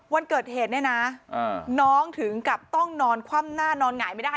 วันเกิดเหตุเนี่ยนะน้องถึงกับต้องนอนคว่ำหน้านอนหงายไม่ได้